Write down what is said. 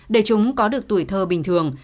để chúng có được tuổi thơ bình thường